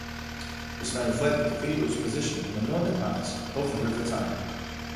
This may reflect the cathedral's position on the northern heights above the River Tyne.